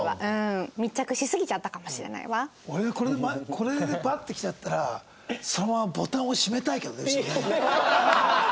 これでバッて来ちゃったらそのままボタンを閉めたいけどね後ろね。